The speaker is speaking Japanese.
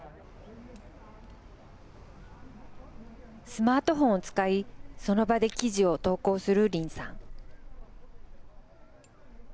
スマートフォンを使いその場で記事を投稿する林さん。